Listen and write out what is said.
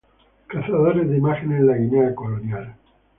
Cazadores de imágenes en la Guinea colonial.